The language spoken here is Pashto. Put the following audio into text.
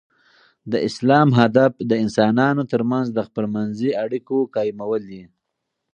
د اسلام هدف د انسانانو تر منځ د خپل منځي اړیکو قایمول دي.